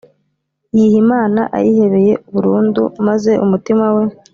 yiha imana ayihebeye burundu, maze umutima we